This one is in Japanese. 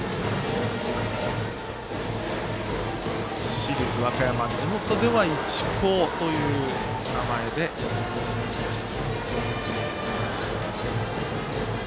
市立和歌山、地元では市高という名前で呼ばれています。